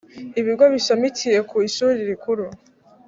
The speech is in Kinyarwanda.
Ibigo bishamikiye ku ishuri rikuru